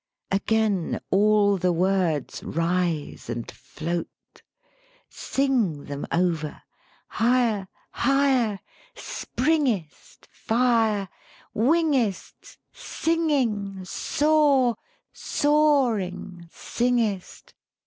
Again all the words rise and float. Sing them over : higher, higher, springest, fire, wingest, singing, soar, soaring, singest.